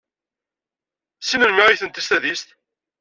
Seg melmi ay atenti s tadist?